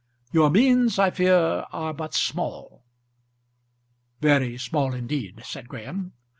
Your means I fear are but small." "Very small indeed," said Graham.